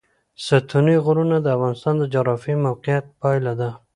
ستوني غرونه د افغانستان د جغرافیایي موقیعت پایله ده.